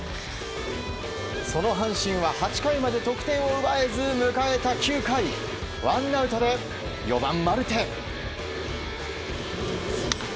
その阪神は８回まで得点を奪えず迎えた９回ワンアウトで４番、マルテ。